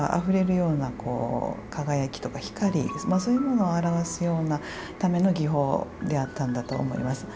こう輝きとか光そういうものを表すための技法であったんだと思います。